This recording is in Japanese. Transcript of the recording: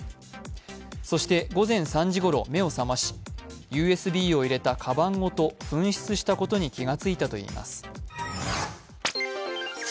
そして午前３時ごろ、目を覚ましＵＳＢを入れたかばんごと紛失したことに気がついたといいます。